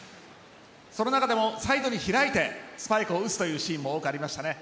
その中でもサイドに開いてスパイクを打つシーンも多くありました。